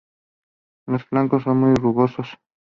Los flancos son muy rugosos.